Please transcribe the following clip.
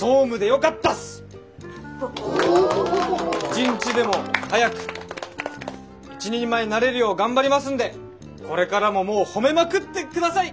一日でも早く一人前になれるよう頑張りますんでこれからももう褒めまくって下さい！